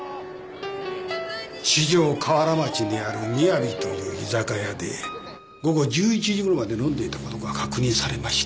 四条河原町にある「みやび」という居酒屋で午後１１時ごろまで飲んでいたことが確認されました。